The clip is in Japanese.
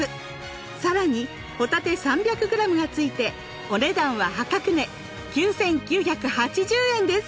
更にホタテ３００ｇがついてお値段は破格値９，９８０円です。